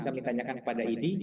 kami tanyakan kepada id